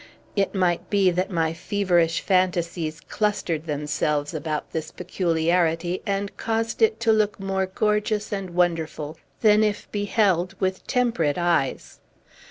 It might be that my feverish fantasies clustered themselves about this peculiarity, and caused it to look more gorgeous and wonderful than if beheld with temperate eyes.